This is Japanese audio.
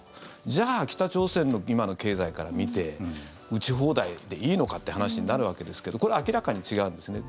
じゃあ、北朝鮮の今の経済から見て撃ち放題でいいのかって話になるわけですけどこれは明らかに違うんですね。